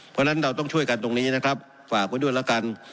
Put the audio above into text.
เพราะฉะนั้นเราต้องช่วยกันตรงนี้นะครับฝากไว้ด้วยแล้วกัน